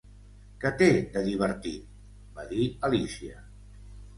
"Què té de divertit?" va dir Alícia.